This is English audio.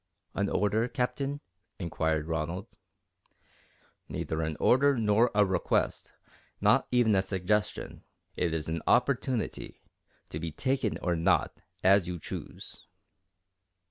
"An order, Captain?" inquired Ronald. "Neither an order nor a request not even a suggestion. It is an opportunity, to be taken or not, as you choose."